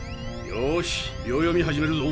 よし秒読み始めるぞ。